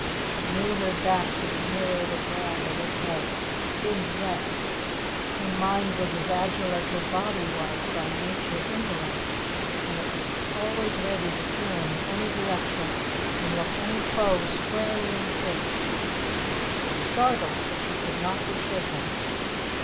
She knew her back to be nearer the wall than it had been yet. Her mind was as agile as her body was by nature indolent, and it was always ready to turn in any direction and look any foe squarely in the face. She was startled, but she could not be shaken.